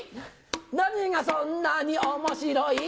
何がそんなに面白い？